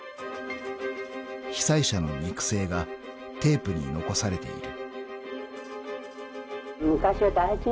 ［被災者の肉声がテープに残されている］